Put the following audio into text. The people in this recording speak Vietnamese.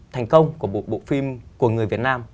thành công của bộ phim của người việt nam